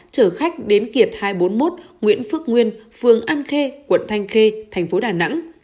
chở khách đến kiệt hai trăm bốn mươi một nguyễn phước nguyên phường an khê quận thanh khê thành phố đà nẵng